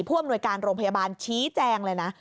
อำนวยการโรงพยาบาลชี้แจงเลยนะ